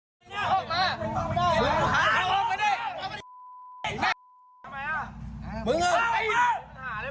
ออกมาผมไม่รู้ผมไม่รู้ครับ